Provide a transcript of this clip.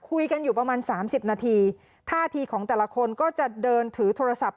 คุยกันอยู่ประมาณสามสิบนาทีท่าทีของแต่ละคนก็จะเดินถือโทรศัพท์